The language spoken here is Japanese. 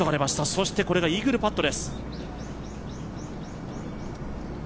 そしてこれがイーグルパットです。